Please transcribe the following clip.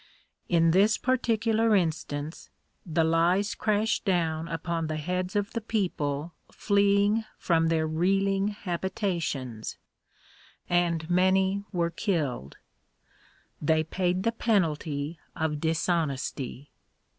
In this particular instance, the lies crashed down upon the heads of the people fleeing from their reeling habitations, and many were killed. They paid the penalty of dishonesty.